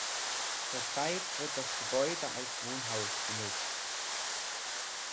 Zurzeit wird das Gebäude als Wohnhaus genutzt.